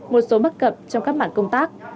một số bất cập trong các mảng công tác